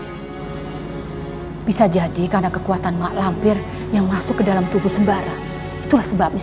hai bisa jadi karena kekuatan maklum pir yang masuk ke dalam tubuh sembara itulah sebabnya